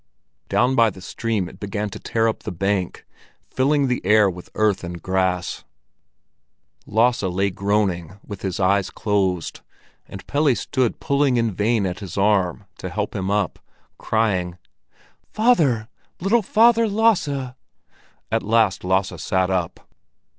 Down by the stream it began to tear up the bank, filling the air with earth and grass. Lasse lay groaning with his eyes closed, and Pelle stood pulling in vain at his arm to help him up, crying: "Father, little Father Lasse!" At last Lasse sat up.